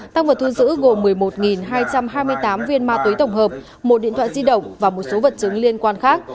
tăng vật thu giữ gồm một mươi một hai trăm hai mươi tám viên ma túy tổng hợp một điện thoại di động và một số vật chứng liên quan khác